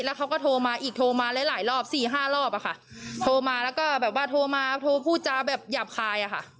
แล้วเขาก็โทรมาอีกโทรมาหลายหลายรอบสี่ห้ารอบอะค่ะโทรมาแล้วก็แบบว่าโทรมาโทรพูดจาแบบหยาบคายอะค่ะ